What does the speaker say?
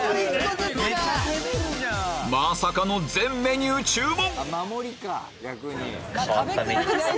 まさかの全メニュー注文！